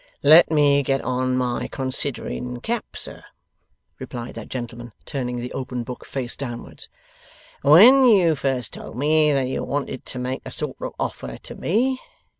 'Let me get on my considering cap, sir,' replied that gentleman, turning the open book face downward. 'When you first told me that you wanted to make a sort of offer to me?